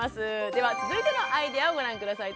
では続いてのアイデアをご覧下さい。